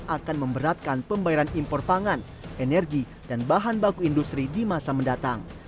akan memberatkan pembayaran impor pangan energi dan bahan baku industri di masa mendatang